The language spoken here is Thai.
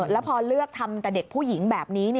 แล้วพอเลือกทำแต่เด็กผู้หญิงแบบนี้